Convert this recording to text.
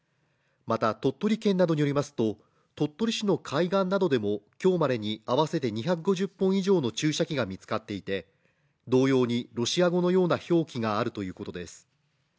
また鳥取県などによりますと鳥取市の海岸などで今日までに合わせて２５０本以上の注射器が見つかっていて同様にロシア語のような表記があるということです。